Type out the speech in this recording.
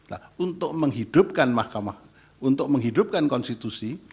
nah untuk menghidupkan mahkamah untuk menghidupkan konstitusi